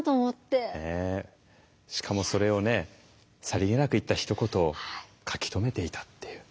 さりげなく言ったひと言を書き留めていたっていう。